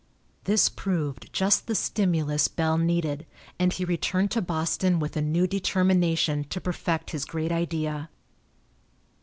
This proved just the stimulus Bell needed, and he returned to Boston with a new determination to perfect his great idea.